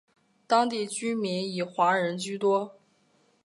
当地居民以华人居多。